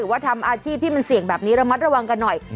ว่าทำอาชีพที่มันเสี่ยงแบบนี้ระมัดระวังกันหน่อย